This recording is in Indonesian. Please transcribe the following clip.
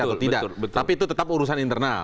atau tidak tapi itu tetap urusan internal